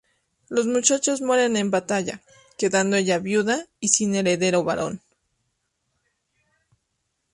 Los muchachos mueren en batalla, quedando ella viuda y sin heredero varón.